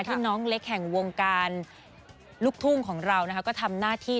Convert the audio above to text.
น้องเล็กแห่งวงการลูกทุ่งของเราก็ทำหน้าที่